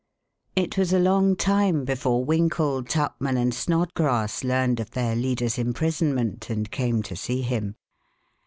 It was a long time before Winkle, Tupman and Snodgrass learned of their leader's imprisonment and came to see him.